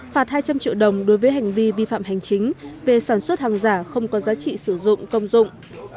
phạt hai trăm linh triệu đồng đối với hành vi vi phạm hành chính về sản xuất hàng giả không có giá trị sử dụng công dụng